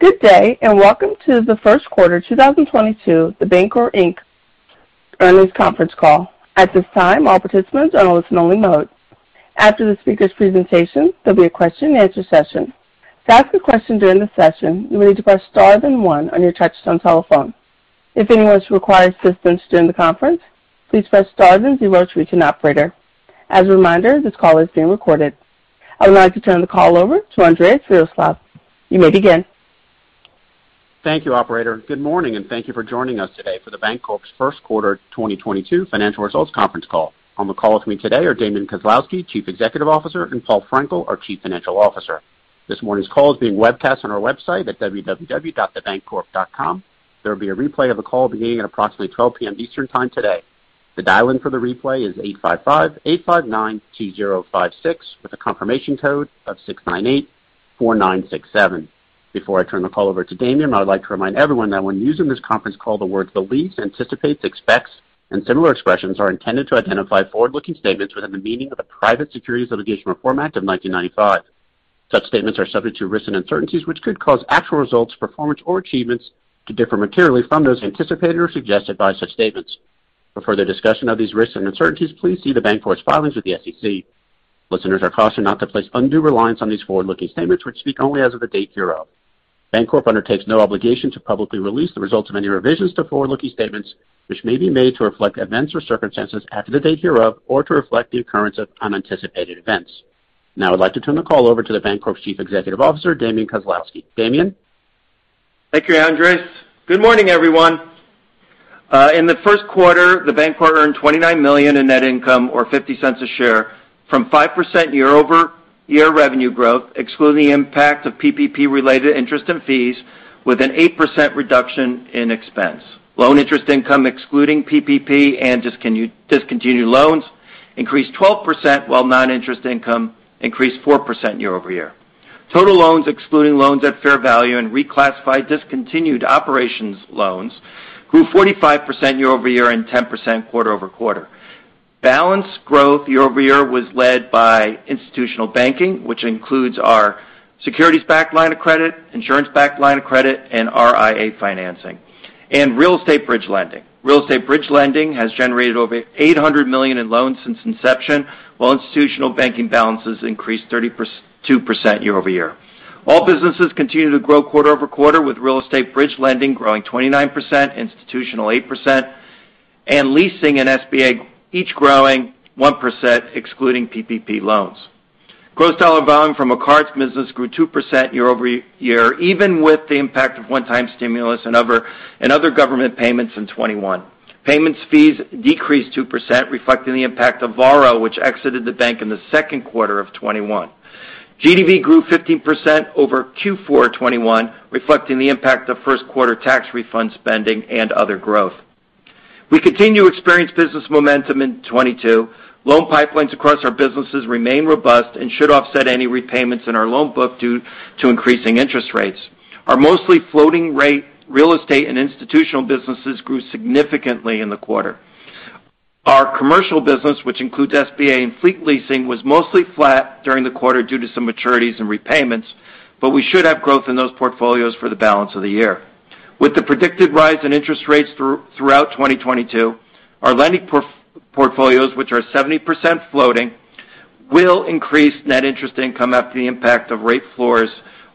Good day, welcome to the Q1 2022 The Bancorp, Inc. earnings conference call. At this time, all participants are in listen-only mode. After the speaker's presentation, there'll be a question and answer session. To ask a question during the session, you will need to press Star then one on your touchtone telephone. If anyone requires assistance during the conference, please press Star then zero to reach an operator. As a reminder, this call is being recorded. I would like to turn the call over to Andres Viroslav. You may begin. Thank you, operator. Good morning, and thank you for joining us today for The Bancorp's Q1 2022 financial results conference call. On the call with me today are Damian Kozlowski, Chief Executive Officer, and Paul Frenkiel, our Chief Financial Officer. This morning's call is being webcast on our website at www.thebancorp.com. There will be a replay of the call beginning at approximately 12 P.M. Eastern Time today. The dial-in for the replay is 855-859-2056 with a confirmation code of 698-4967. Before I turn the call over to Damian, I would like to remind everyone that when using this conference call, the word believes, anticipates, expects, and similar expressions are intended to identify forward-looking statements within the meaning of the Private Securities Litigation Reform Act of 1995. Such statements are subject to risks and uncertainties which could cause actual results, performance or achievements to differ materially from those anticipated or suggested by such statements. For further discussion of these risks and uncertainties, please see The Bancorp's filings with the SEC. Listeners are cautioned not to place undue reliance on these forward-looking statements which speak only as of the date hereof. Bancorp undertakes no obligation to publicly release the results of any revisions to forward-looking statements, which may be made to reflect events or circumstances after the date hereof, or to reflect the occurrence of unanticipated events. Now I'd like to turn the call over to The Bancorp's Chief Executive Officer, Damian Kozlowski. Damian? Thank you, Andres. Good morning, everyone. In the Q1, The Bancorp earned $29 million in net income or $0.50 a share from 5% year-over-year revenue growth, excluding the impact of PPP-related interest and fees with an 8% reduction in expense. Loan interest income excluding PPP and discontinued loans increased 12%, while non-interest income increased 4% year over year. Total loans excluding loans at fair value and reclassified discontinued operations loans grew 45% year over year and 10% quarter over quarter. Balance growth year over year was led by institutional banking, which includes our securities-backed line of credit, insurance-backed line of credit, and RIA financing and real estate bridge lending. Real estate bridge lending has generated over $800 million in loans since inception, while institutional banking balances increased 32% year over year. All businesses continue to grow quarter-over-quarter, with real estate bridge lending growing 29%, institutional 8%, and leasing and SBA each growing 1% excluding PPP loans. Gross dollar volume from our cards business grew 2% year-over-year, even with the impact of one-time stimulus and other government payments in 2021. Payments fees decreased 2%, reflecting the impact of Varo, which exited the bank in the Q2 of 2021. GDV grew 15% over Q4 2021, reflecting the impact of Q1 tax refund spending and other growth. We continue to experience business momentum in 2022. Loan pipelines across our businesses remain robust and should offset any repayments in our loan book due to increasing interest rates. Our mostly floating rate real estate and institutional businesses grew significantly in the quarter. Our commercial business, which includes SBA and fleet leasing, was mostly flat during the quarter due to some maturities and repayments, but we should have growth in those portfolios for the balance of the year. With the predicted rise in interest rates throughout 2022, our lending portfolios, which are 70% floating, will increase net interest income after the impact of rate floors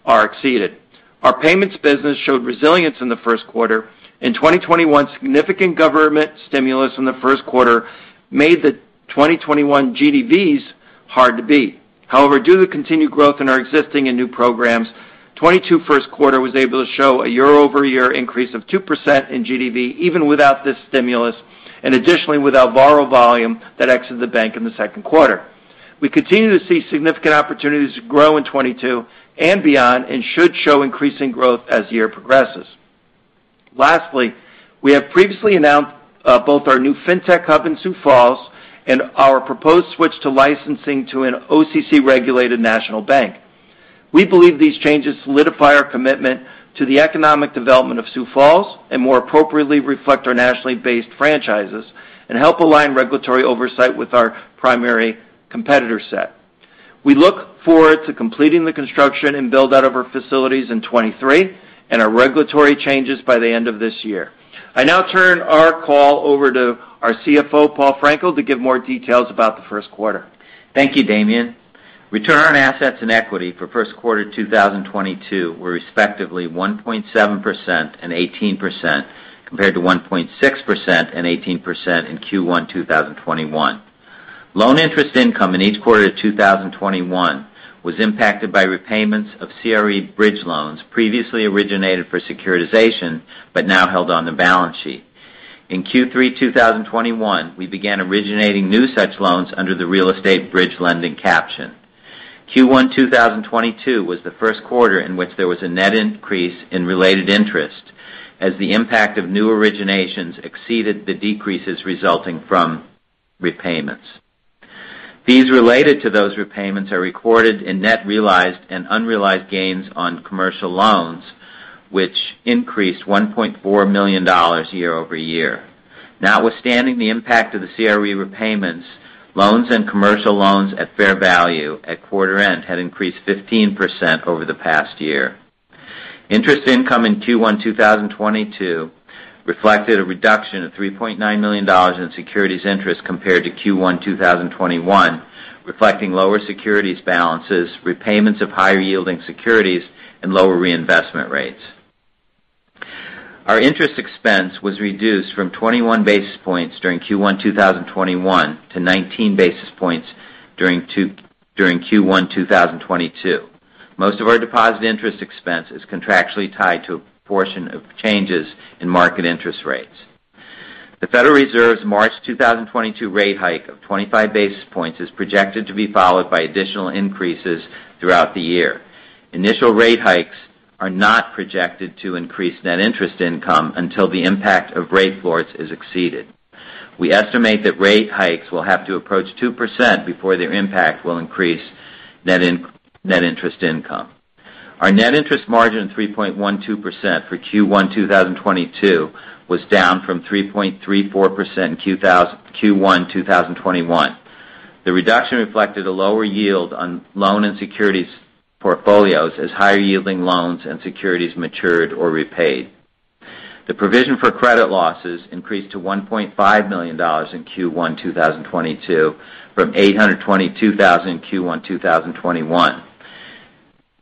are exceeded. Our payments business showed resilience in the Q1. In 2021, significant government stimulus in the Q1 made the 2021 GDVs hard to beat. However, due to continued growth in our existing and new programs, 2022 Q1 was able to show a year-over-year increase of 2% in GDV even without this stimulus and additionally without Varo volume that exited the bank in the Q2. We continue to see significant opportunities to grow in 2022 and beyond and should show increasing growth as the year progresses. Lastly, we have previously announced both our new fintech hub in Sioux Falls and our proposed switch to licensing to an OCC-regulated national bank. We believe these changes solidify our commitment to the economic development of Sioux Falls and more appropriately reflect our nationally based franchises and help align regulatory oversight with our primary competitor set. We look forward to completing the construction and build-out of our facilities in 2023 and our regulatory changes by the end of this year. I now turn our call over to our CFO, Paul Frenkiel, to give more details about the Q1. Thank you, Damian. Return on assets and equity for Q1 2022 were respectively 1.7% and 18%, compared to 1.6% and 18% in Q1 2021. Loan interest income in each quarter of 2021 was impacted by repayments of CRE bridge loans previously originated for securitization but now held on the balance sheet. In Q3 2021, we began originating new such loans under the real estate bridge lending caption. Q1 2022 was the Q1 in which there was a net increase in related interest as the impact of new originations exceeded the decreases resulting from repayments. Fees related to those repayments are recorded in net realized and unrealized gains on commercial loans, which increased $1.4 million year-over-year. Notwithstanding the impact of the CRE repayments, loans and commercial loans at fair value at quarter end have increased 15% over the past year. Interest income in Q1 2022 reflected a reduction of $3.9 million in securities interest compared to Q1 2021, reflecting lower securities balances, repayments of higher yielding securities and lower reinvestment rates. Our interest expense was reduced from 21 basis points during Q1 2021 to 19 basis points during Q1 2022. Most of our deposit interest expense is contractually tied to a portion of changes in market interest rates. The Federal Reserve's March 2022 rate hike of 25 basis points is projected to be followed by additional increases throughout the year. Initial rate hikes are not projected to increase net interest income until the impact of rate floors is exceeded. We estimate that rate hikes will have to approach 2% before their impact will increase net interest income. Our net interest margin, 3.12% for Q1 2022, was down from 3.34% in Q1 2021. The reduction reflected a lower yield on loan and securities portfolios as higher yielding loans and securities matured or repaid. The provision for credit losses increased to $1.5 million in Q1 2022 from $822,000 in Q1 2021.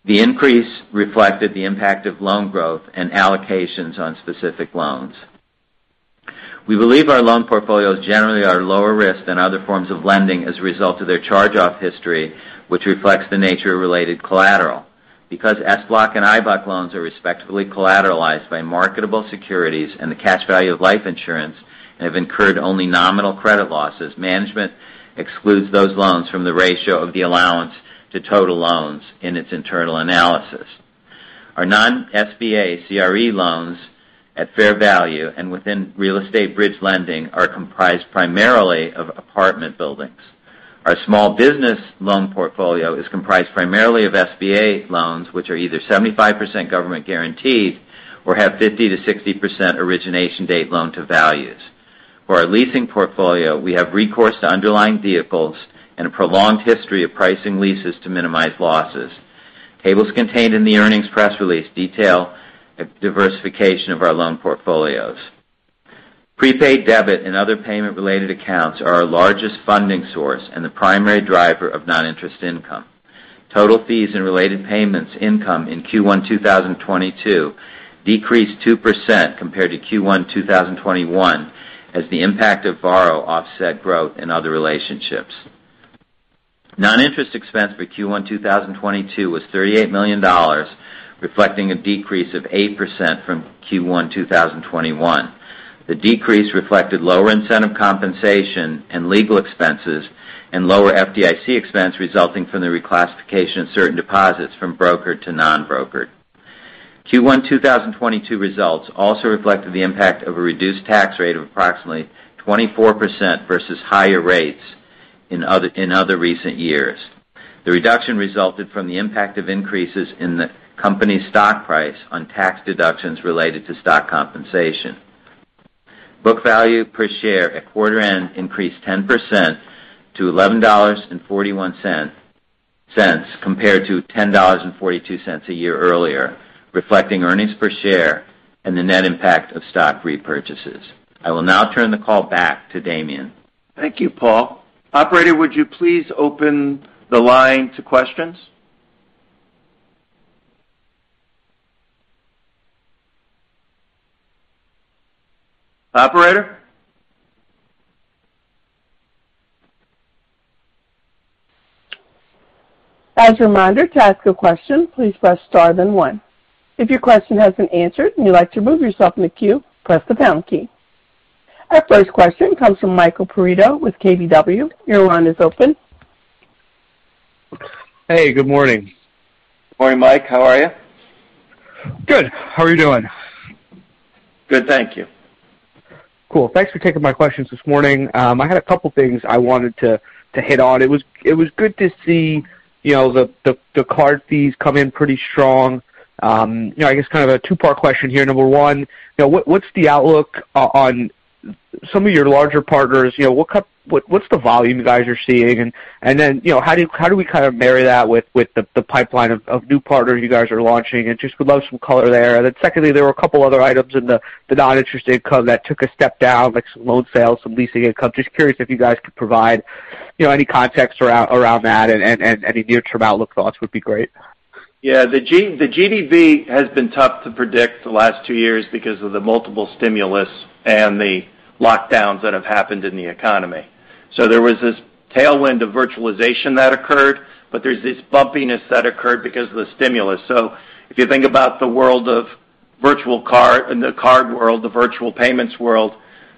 The increase reflected the impact of loan growth and allocations on specific loans. We believe our loan portfolios generally are lower risk than other forms of lending as a result of their charge-off history, which reflects the nature of related collateral. Because SBLOC and IBLOC loans are respectively collateralized by marketable securities and the cash value of life insurance and have incurred only nominal credit losses, management excludes those loans from the ratio of the allowance to total loans in its internal analysis. Our non-SBA CRE loans at fair value and within real estate bridge lending are comprised primarily of apartment buildings. Our small business loan portfolio is comprised primarily of SBA loans, which are either 75% government guaranteed or have 50%-60% origination date loan to values. For our leasing portfolio, we have recourse to underlying vehicles and a prolonged history of pricing leases to minimize losses. Tables contained in the earnings press release detail diversification of our loan portfolios. Prepaid debit and other payment related accounts are our largest funding source and the primary driver of non-interest income. Total fees and related payments income in Q1, 2022 decreased 2% compared to Q1, 2021 as the impact of Varo offset growth in other relationships. Non-interest expense for Q1, 2022 was $38 million, reflecting a decrease of 8% from Q1, 2021. The decrease reflected lower incentive compensation and legal expenses and lower FDIC expense resulting from the reclassification of certain deposits from brokered to non-brokered. Q1, 2022 results also reflected the impact of a reduced tax rate of approximately 24% versus higher rates in other recent years. The reduction resulted from the impact of increases in the company's stock price on tax deductions related to stock compensation. Book value per share at quarter end increased 10% to $11.41 compared to $10.42 a year earlier, reflecting earnings per share and the net impact of stock repurchases. I will now turn the call back to Damian. Thank you, Paul. Operator, would you please open the line to questions? Operator? As a reminder, to ask a question, please press star then one. If your question has been answered and you'd like to remove yourself from the queue, press the pound key. Our first question comes from Michael Perito with KBW. Your line is open. Hey, good morning. Morning, Mike. How are you? Good. How are you doing? Good. Thank you. Cool. Thanks for taking my questions this morning. I had a couple things I wanted to hit on. It was good to see, you know, the card fees come in pretty strong. You know, I guess kind of a two-part question here. Number one, you know, what's the outlook on some of your larger partners? You know, what's the volume you guys are seeing? And then, you know, how do we kind of marry that with the pipeline of new partners you guys are launching? And just would love some color there. And then secondly, there were a couple other items in the non-interest income that took a step down, like some loan sales, some leasing income. Just curious if you guys could provide, you know, any context around that and any near-term outlook thoughts would be great. Yeah. The GDV has been tough to predict the last two years because of the multiple stimulus and the lockdowns that have happened in the economy. There was this tailwind of virtualization that occurred, but there's this bumpiness that occurred because of the stimulus. If you think about the world of virtual card in the card world, the virtual payments world,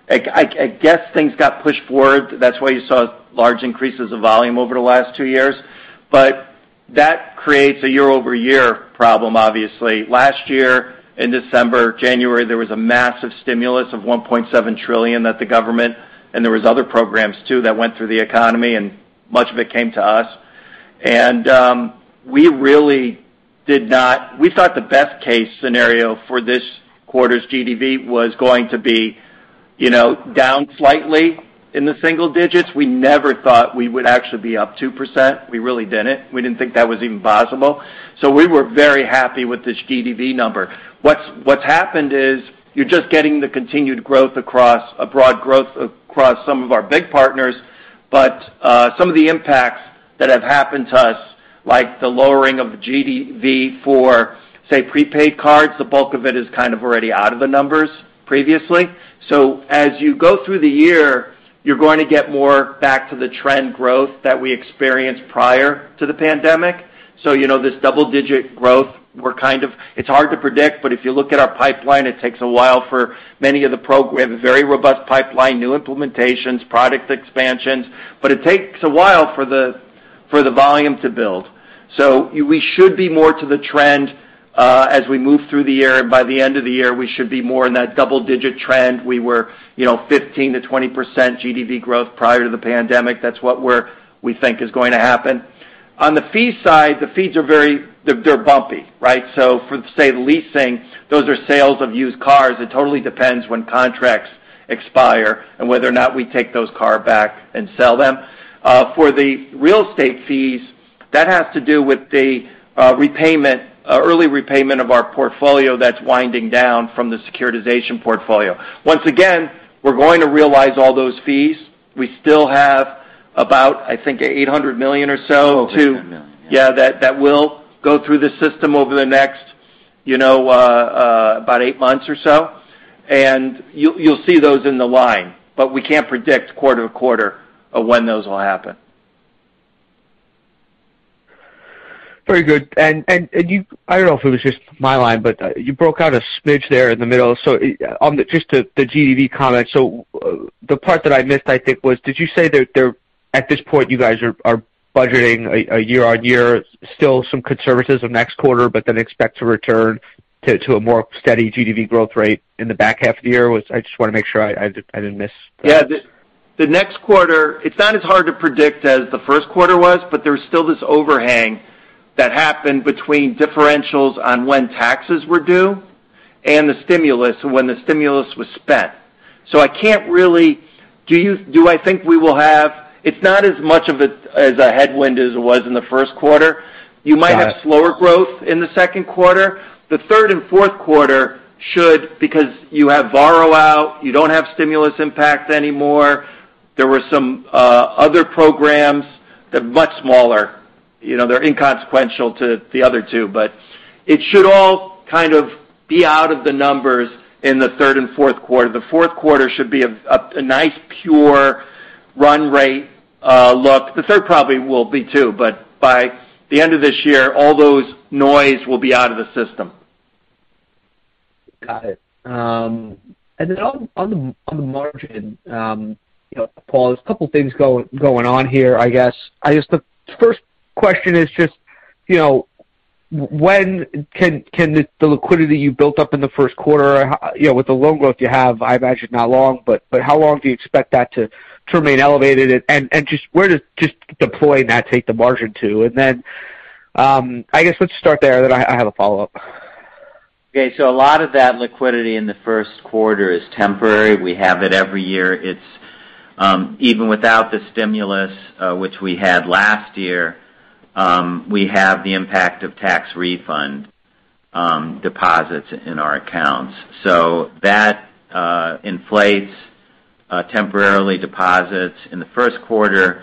I guess things got pushed forward. That's why you saw large increases of volume over the last two years. That creates a year-over-year problem obviously. Last year, in December, January, there was a massive stimulus of $1.7 trillion that the government, and there was other programs too that went through the economy, and much of it came to us. We thought the best case scenario for this quarter's GDV was going to be, you know, down slightly in the single digits%. We never thought we would actually be up 2%. We really didn't. We didn't think that was even possible. We were very happy with this GDV number. What's happened is you're just getting the continued growth across a broad growth across some of our big partners. Some of the impacts that have happened to us, like the lowering of GDV for, say, prepaid cards, the bulk of it is kind of already out of the numbers previously. As you go through the year, you're going to get more back to the trend growth that we experienced prior to the pandemic. You know, this double-digit growth, we're kind of. It's hard to predict, but if you look at our pipeline, we have a very robust pipeline, new implementations, product expansions, but it takes a while for the, for the volume to build. We should be more to the trend, as we move through the year. By the end of the year, we should be more in that double-digit trend. We were, you know, 15%-20% GDV growth prior to the pandemic. That's what we think is going to happen. On the fee side, the fees are very. They're bumpy, right? For, say, the leasing, those are sales of used cars. It totally depends when contracts expire and whether or not we take those cars back and sell them. For the real estate fees, that has to do with the early repayment of our portfolio that's winding down from the securitization portfolio. Once again, we're going to realize all those fees. We still have about, I think, $800 million or so to. Over $800 million. Yeah, that will go through the system over the next, you know, about eight months or so. You'll see those in the line, but we can't predict quarter to quarter of when those will happen. Very good. I don't know if it was just my line, but you broke up a smidge there in the middle. On the just the GDV comment. The part that I missed, I think, was did you say that there at this point, you guys are budgeting a year-on-year, still some conservatism next quarter, but then expect to return to a more steady GDV growth rate in the back half of the year? I just wanna make sure I didn't miss. Yeah. The next quarter, it's not as hard to predict as the Q1 was, but there was still this overhang that happened between differentials on when taxes were due and the stimulus, when the stimulus was spent. It's not as much of a headwind as it was in the Q1. Got it. You might have slower growth in the Q2. The Q3 and Q4 should, because you have borrow out, you don't have stimulus impact anymore. There were some other programs. They're much smaller. You know, they're inconsequential to the other two, but it should all kind of be out of the numbers in the third and Q4. The Q4 should be a nice, pure run rate look. The third probably will be too, but by the end of this year, all those noise will be out of the system. Got it. Then on the margin, you know, Paul, there's a couple things going on here, I guess. The first question is just, you know, when can the liquidity you built up in the Q1, you know, with the loan growth you have, I imagine not long, but how long do you expect that to remain elevated? Just where does just deploying that take the margin to? I guess let's start there, then I have a follow-up. Okay, a lot of that liquidity in the Q1 is temporary. We have it every year. It's even without the stimulus, which we had last year, we have the impact of tax refund deposits in our accounts. That inflates temporarily deposits in the Q1.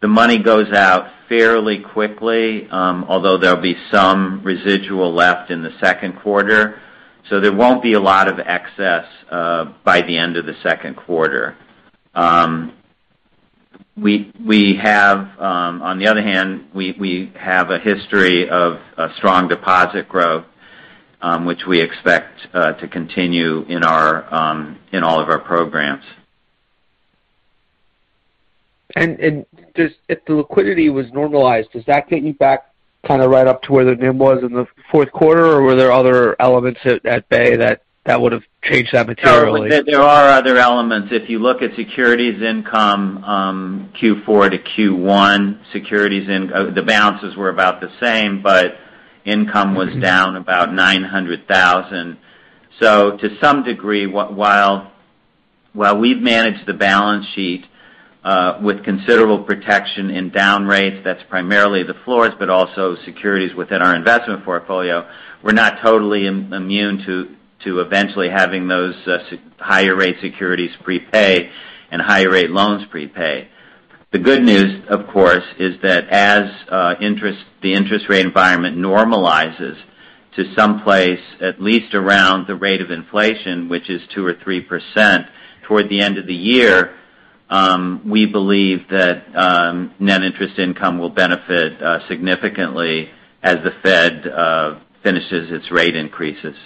The money goes out fairly quickly, although there'll be some residual left in the Q2. There won't be a lot of excess by the end of the Q2. On the other hand, we have a history of a strong deposit growth, which we expect to continue in all of our programs. If the liquidity was normalized, does that get you back kind of right up to where the NIM was in the Q4, or were there other elements at play that would've changed that materially? No, there are other elements. If you look at securities income, Q4 to Q1, the balances were about the same, but income was down about $900,000. To some degree, while we've managed the balance sheet with considerable protection in down rates, that's primarily the floors, but also securities within our investment portfolio, we're not totally immune to eventually having those higher rate securities prepay and higher rate loans prepay. The good news, of course, is that as the interest rate environment normalizes to some place, at least around the rate of inflation, which is 2% or 3%, toward the end of the year, we believe that net interest income will benefit significantly as the Fed finishes its rate increases.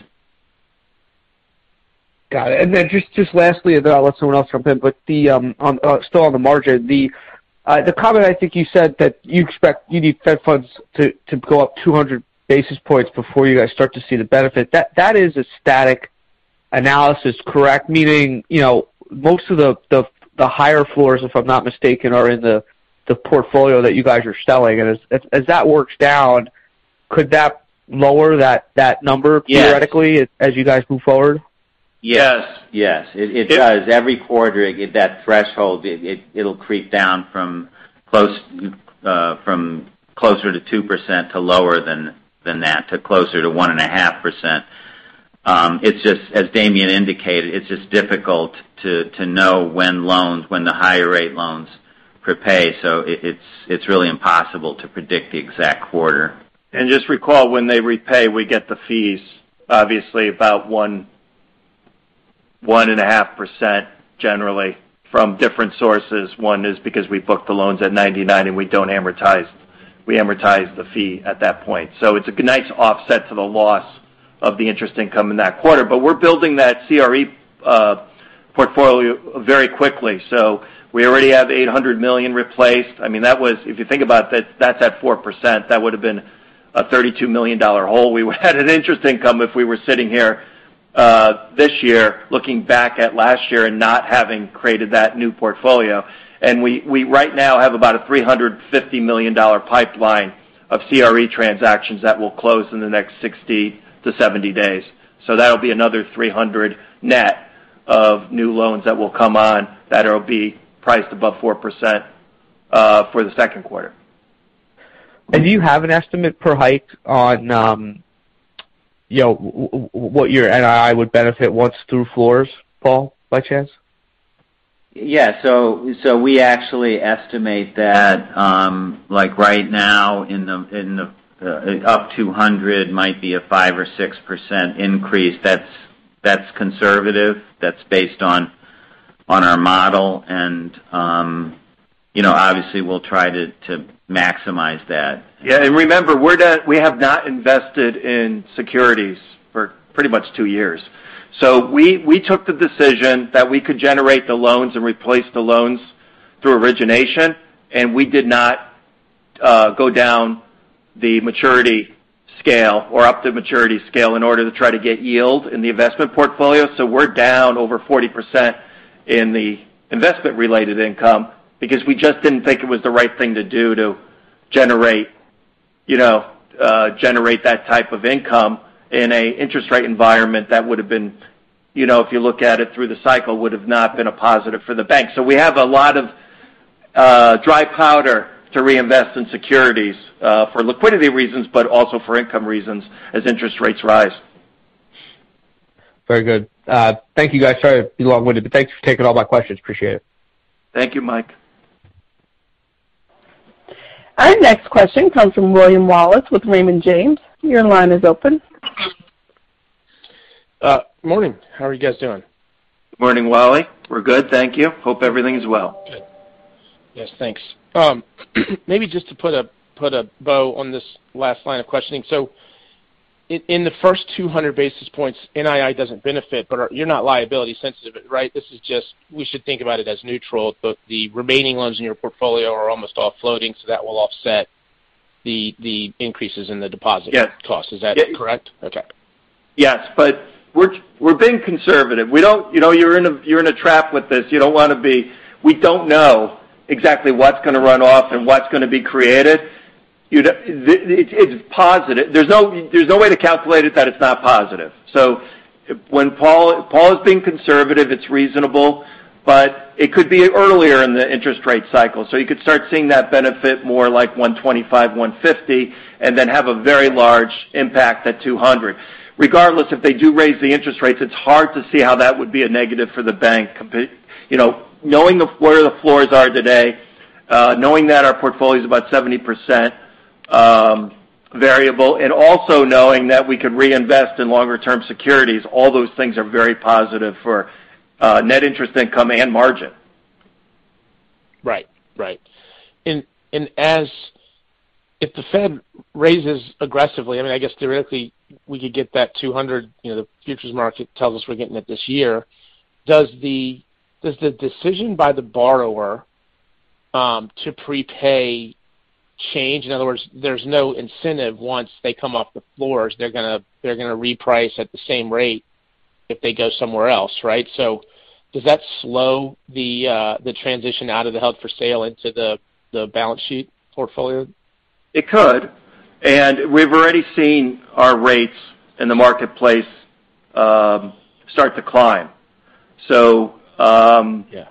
Got it. Then just lastly, then I'll let someone else jump in, but on still on the margin, the comment I think you said that you expect you need Fed funds to go up 200 basis points before you guys start to see the benefit. That is absolutely correct. Meaning, you know, most of the higher floors, if I'm not mistaken, are in the portfolio that you guys are selling. As that works down, could that lower that number? Yes. Theoretically, as you guys move forward? Yes. It does. Every quarter, if that threshold, it'll creep down from closer to 2% to lower than that, to closer to 1.5%. It's just, as Damian indicated, it's just difficult to know when the higher rate loans prepay. It's really impossible to predict the exact quarter. Just recall when they repay, we get the fees, obviously about 1.5% generally from different sources. One is because we book the loans at 99, and we don't amortize. We amortize the fee at that point. It's a nice offset to the loss of the interest income in that quarter. We're building that CRE portfolio very quickly. We already have $800 million replaced. I mean, that was. If you think about that's at 4%. That would have been a $32 million hole we would've had in interest income if we were sitting here this year, looking back at last year and not having created that new portfolio. We right now have about a $350 million pipeline of CRE transactions that will close in the next 60-70 days. That'll be another 300 net of new loans that will come on that'll be priced above 4% for the Q2. Do you have an estimate per hike on, you know, what your NII would benefit once through floors, Paul, by chance? Yeah. We actually estimate that, like right now in the up to 100 might be a 5% or 6% increase. That's conservative. That's based on our model. You know, obviously we'll try to maximize that. Yeah. Remember, we have not invested in securities for pretty much two years. We took the decision that we could generate the loans and replace the loans through origination, and we did not go down the maturity scale or up the maturity scale in order to try to get yield in the investment portfolio. We're down over 40% in the investment related income because we just didn't think it was the right thing to do to generate, you know, generate that type of income in an interest rate environment that would have been, you know, if you look at it through the cycle, would have not been a positive for the bank. We have a lot of dry powder to reinvest in securities for liquidity reasons, but also for income reasons as interest rates rise. Very good. Thank you, guys. Sorry to be long-winded, but thanks for taking all my questions. Appreciate it. Thank you, Mike. Our next question comes from William Wallace with Raymond James. Your line is open. Morning. How are you guys doing? Morning, Wally. We're good, thank you. Hope everything is well. Good. Yes, thanks. Maybe just to put a bow on this last line of questioning. In the first 200 basis points, NII doesn't benefit, but you're not liability sensitive, right? This is just, we should think about it as neutral, but the remaining loans in your portfolio are almost all floating, so that will offset the increases in the deposit. Yes. cost. Is that correct? Yes. Okay. Yes. We're being conservative. We don't know exactly what's gonna run off and what's gonna be created. You know, you're in a trap with this. You don't wanna be. We don't know exactly what's gonna run off and what's gonna be created. You know, this is positive. There's no way to calculate it that it's not positive. When Paul is being conservative, it's reasonable, but it could be earlier in the interest rate cycle. You could start seeing that benefit more like 125, 150, and then have a very large impact at 200. Regardless if they do raise the interest rates, it's hard to see how that would be a negative for the bank compa. You know, knowing where the floors are today, knowing that our portfolio is about 70% variable, and also knowing that we could reinvest in longer-term securities, all those things are very positive for net interest income and margin. Right. If the Fed raises aggressively, I mean, I guess theoretically, we could get that 200, you know, the futures market tells us we're getting it this year. Does the decision by the borrower to prepay change? In other words, there's no incentive once they come off the floors, they're gonna reprice at the same rate if they go somewhere else, right? Does that slow the transition out of the held-for-sale into the balance sheet portfolio? It could. We've already seen our rates in the marketplace start to climb. Yeah.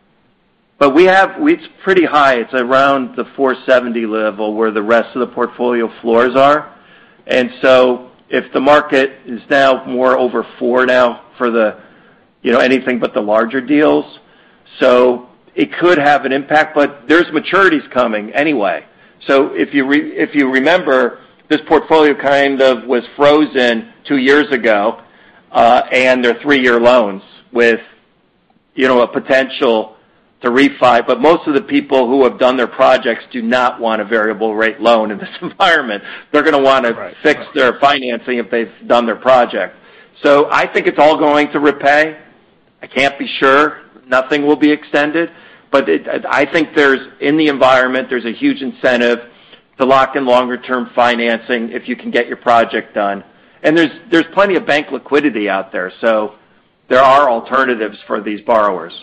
It's pretty high. It's around the 4.70 level where the rest of the portfolio floors are. If the market is now more over 4% now for the, you know, anything but the larger deals, it could have an impact, but there's maturities coming anyway. If you remember, this portfolio kind of was frozen 2 years ago, and they're 3-year loans with, you know, a potential to refi. Most of the people who have done their projects do not want a variable rate loan in this environment. They're gonna wanna- Right. Refinance their financing if they've done their project. I think it's all going to repay. I can't be sure nothing will be extended, but in the environment, there's a huge incentive to lock in longer-term financing if you can get your project done. There's plenty of bank liquidity out there, so there are alternatives for these borrowers.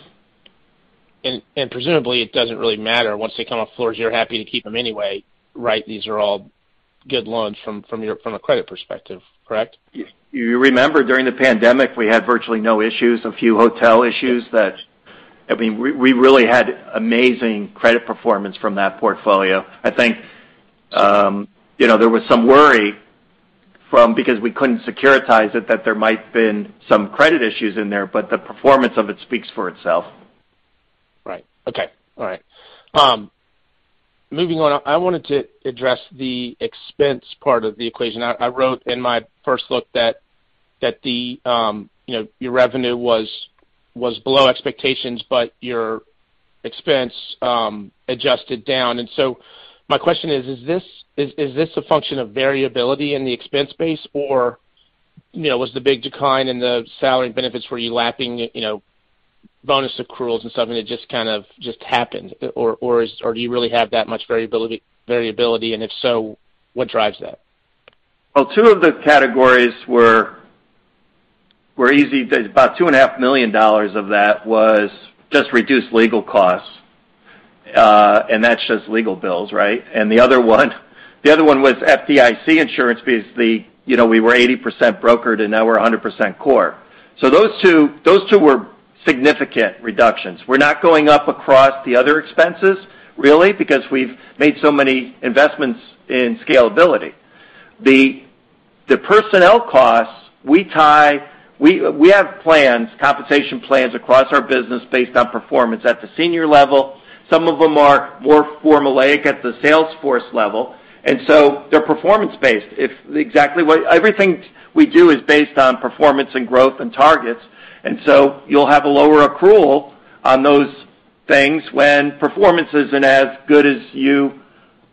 Presumably it doesn't really matter. Once they come off floors, you're happy to keep them anyway, right? These are all good loans from a credit perspective, correct? You remember during the pandemic we had virtually no issues, a few hotel issues that I mean, we really had amazing credit performance from that portfolio. I think, you know, there was some worry from because we couldn't securitize it that there might been some credit issues in there, but the performance of it speaks for itself. Right. Okay. All right. Moving on. I wanted to address the expense part of the equation. I wrote in my first look that the you know, your revenue was below expectations, but your expense adjusted down. My question is: Is this a function of variability in the expense base, or you know, was the big decline in the salary and benefits where you're lapping you know, bonus accruals and something that just kind of happened? Or do you really have that much variability? And if so, what drives that? Well, two of the categories were easy. About $2.5 million of that was just reduced legal costs, and that's just legal bills, right? The other one was FDIC insurance because, you know, we were 80% brokered, and now we're 100% core. Those two were significant reductions. We're not going up across the other expenses really because we've made so many investments in scalability. The personnel costs, we have plans, compensation plans across our business based on performance at the senior level. Some of them are more formulaic at the sales force level. They're performance-based. Everything we do is based on performance and growth and targets. You'll have a lower accrual on those things when performance isn't as good as you,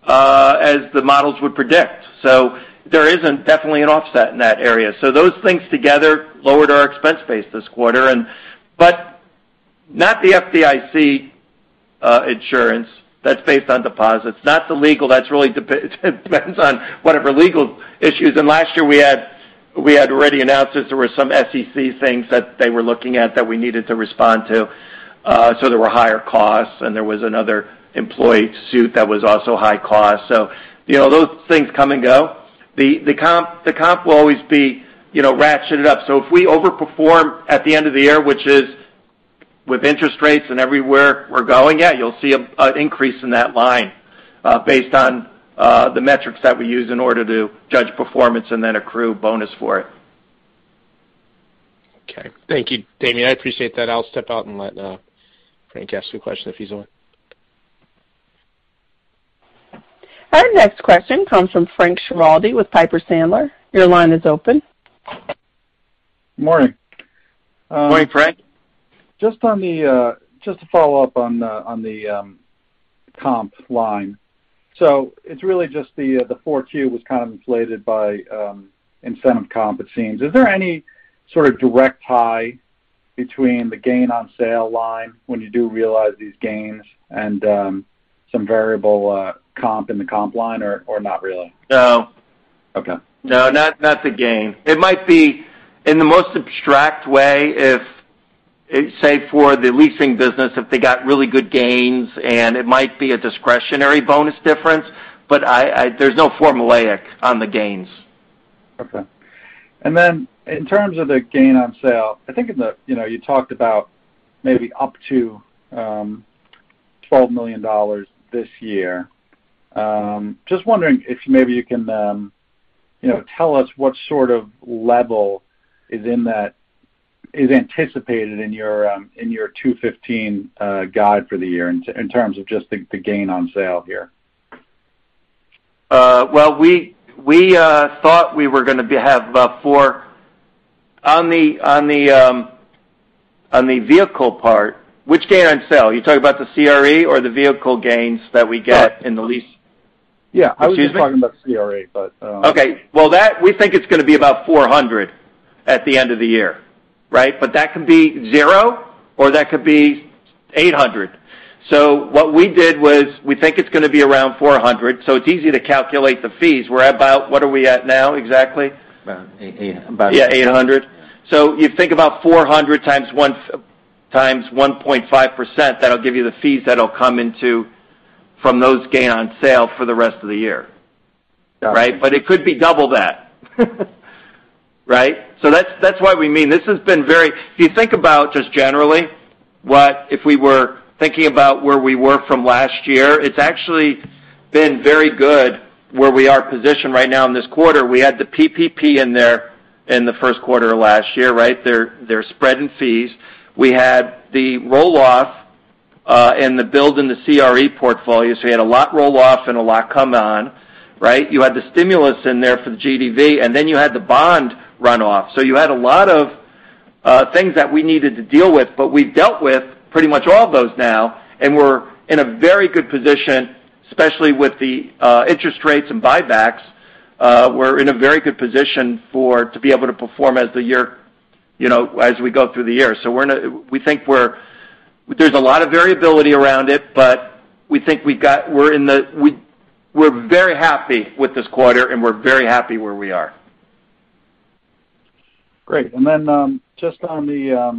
as the models would predict. There is definitely an offset in that area. Those things together lowered our expense base this quarter and not the FDIC insurance. That's based on deposits. Not the legal. That's really depends on whatever legal issues. Last year we had already announced that there were some SEC things that they were looking at that we needed to respond to. There were higher costs, and there was another employee suit that was also high cost. You know, those things come and go. The comp will always be, you know, ratcheted up. If we overperform at the end of the year, which is with interest rates and everywhere we're going, yeah, you'll see an increase in that line, based on the metrics that we use in order to judge performance and then accrue bonus for it. Okay. Thank you, Damian. I appreciate that. I'll step out and let Frank ask a question if he's on. Our next question comes from Frank Schiraldi with Piper Sandler. Your line is open. Morning. Morning, Frank. Just to follow up on the comp line. It's really just the 4Q was kind of inflated by incentive comp it seems. Is there any sort of direct tie between the gain on sale line when you do realize these gains and some variable comp in the comp line or not really? No. Okay. No, not the gain. It might be in the most abstract way if, say, for the leasing business, if they got really good gains, and it might be a discretionary bonus difference, but I, there's no formulaic on the gains. In terms of the gain on sale, I think in the, you know, you talked about maybe up to $12 million this year. Just wondering if maybe you can, you know, tell us what sort of level is anticipated in your 2015 guide for the year in terms of just the gain on sale here. Well, we thought we were gonna have about four. On the vehicle part, which gain on sale? Are you talking about the CRE or the vehicle gains that we get in the lease? Yeah. Excuse me? I was just talking about CRE, but. Okay. Well, that, we think it's gonna be about 400 at the end of the year, right? That could be 0 or that could be 800. What we did was we think it's gonna be around 400, so it's easy to calculate the fees. What are we at now exactly? About eight, about. 800. You think about 400 times 1.5%, that'll give you the fees that'll come from those gain on sale for the rest of the year. Got it. Right? It could be double that. Right? That's why we mean. This has been very. If you think about just generally what we were thinking about where we were from last year. It's actually been very good where we are positioned right now in this quarter. We had the PPP in there in the Q1 of last year, right? Their spread in fees. We had the roll-off and the build in the CRE portfolio. We had a lot roll-off and a lot come on, right? You had the stimulus in there for the GDV, and then you had the bond runoff. You had a lot of things that we needed to deal with, but we've dealt with pretty much all of those now. We're in a very good position, especially with the interest rates and buybacks to be able to perform as the year, you know, as we go through the year. We think we're. There's a lot of variability around it, but we think. We're very happy with this quarter, and we're very happy where we are. Great. Just on the,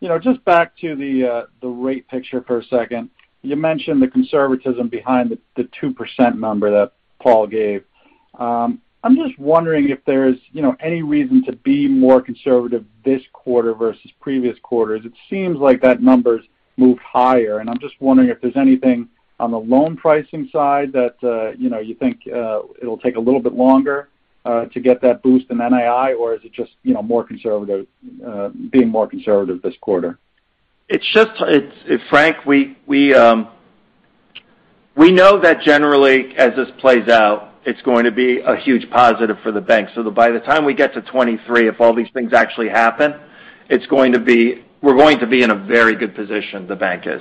you know, just back to the rate picture for a second. You mentioned the conservatism behind the 2% number that Paul gave. I'm just wondering if there's, you know, any reason to be more conservative this quarter versus previous quarters. It seems like that number's moved higher, and I'm just wondering if there's anything on the loan pricing side that, you know, you think, it'll take a little bit longer, to get that boost in NII, or is it just, you know, being more conservative this quarter? It's Frank, we know that generally, as this plays out, it's going to be a huge positive for the bank. By the time we get to 2023, if all these things actually happen, we're going to be in a very good position, the bank is.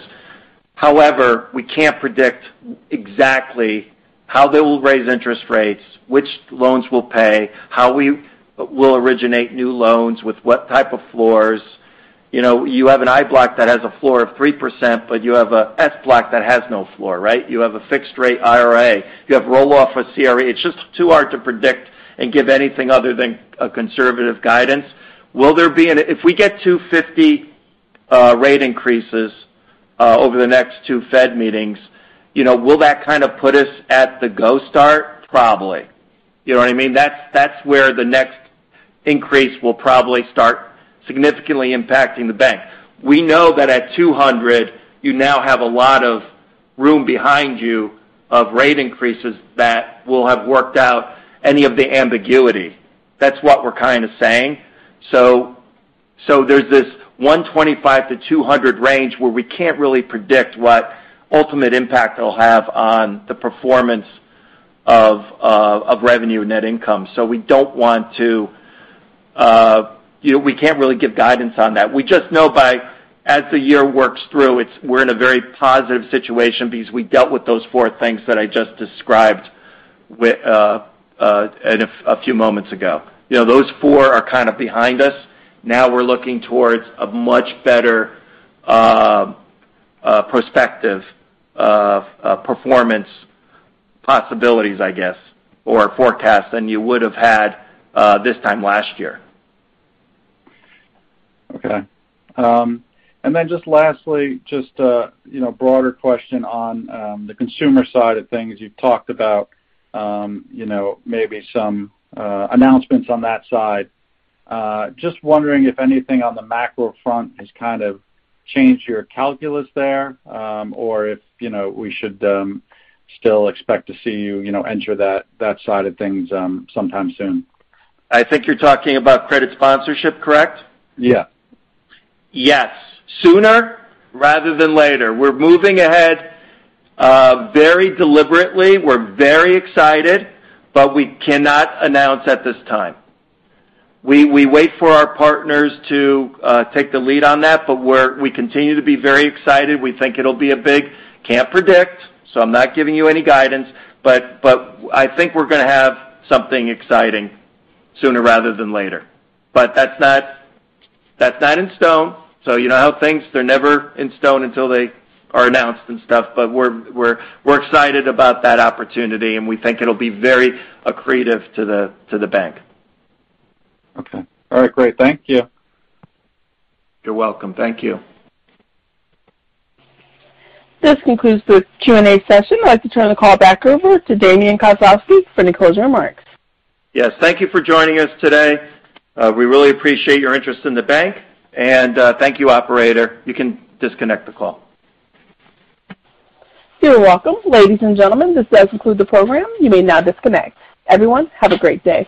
However, we can't predict exactly how they will raise interest rates, which loans will pay, how we will originate new loans, with what type of floors. You know, you have an IBLOC that has a floor of 3%, but you have a SBLOC that has no floor, right? You have a fixed rate IRA. You have roll-off for CRE. It's just too hard to predict and give anything other than a conservative guidance. If we get 250 rate increases over the next 2 Fed meetings, you know, will that kind of put us at the go start? Probably. You know what I mean? That's where the next increase will probably start significantly impacting the bank. We know that at 200, you now have a lot of room behind you of rate increases that will have worked out any of the ambiguity. That's what we're kind of saying. There's this 125-200 range where we can't really predict what ultimate impact it'll have on the performance of revenue and net income. We don't want to, you know, we can't really give guidance on that. We just know, as the year works through, we're in a very positive situation because we dealt with those four things that I just described and a few moments ago. You know, those four are kind of behind us. Now we're looking towards a much better perspective of performance possibilities, I guess, or forecast than you would have had this time last year. Okay. Just lastly, you know, broader question on the consumer side of things. You've talked about, you know, maybe some announcements on that side. Just wondering if anything on the macro front has kind of changed your calculus there, or if, you know, we should still expect to see you know, enter that side of things sometime soon. I think you're talking about credit sponsorship, correct? Yeah. Yes. Sooner rather than later. We're moving ahead, very deliberately. We're very excited, but we cannot announce at this time. We wait for our partners to take the lead on that, but we continue to be very excited. We think it'll be a big. Can't predict, so I'm not giving you any guidance, I think we're gonna have something exciting sooner rather than later. That's not in stone. You know how things, they're never in stone until they are announced and stuff. We're excited about that opportunity, and we think it'll be very accretive to the bank. Okay. All right, great. Thank you. You're welcome. Thank you. This concludes the Q&A session. I'd like to turn the call back over to Damian Kozlowski for any closing remarks. Yes. Thank you for joining us today. We really appreciate your interest in the bank. Thank you, operator. You can disconnect the call. You're welcome. Ladies and gentlemen, this does conclude the program. You may now disconnect. Everyone, have a great day.